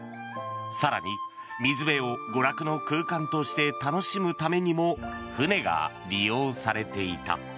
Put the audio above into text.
更に、水辺を娯楽の空間として楽しむためにも船が利用されていた。